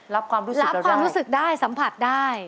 รับความรู้สึกได้สัมผัสได้